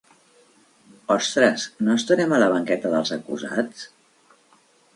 Ostres, no estarem a la banqueta dels acusats?